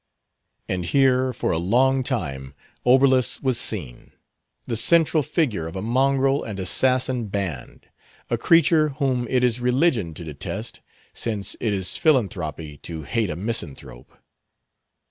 And here, for a long time, Oberlus was seen; the central figure of a mongrel and assassin band; a creature whom it is religion to detest, since it is philanthropy to hate a misanthrope.